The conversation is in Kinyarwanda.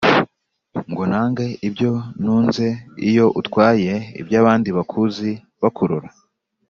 Ngo ntange ibyo ntunzeIyo utwaye iby’abandiBakuzi bakurora